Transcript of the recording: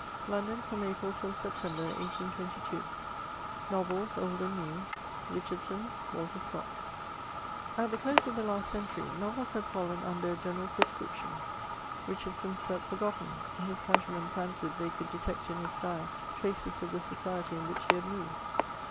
London, from April till September, 1822. KOVXLS, OLD AXJ> RBW — RKHAILDSON— WALTBB SCOTT. At the close of the last century, novels had fallen under a general proscription. Bichardson slept forgotten; his country men fancied they could detect in his style traces of the society in wluch he had moved.